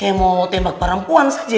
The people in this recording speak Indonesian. kayak mau tembak perempuan saja ya